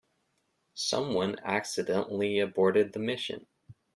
Someone accidentally aborted the mission.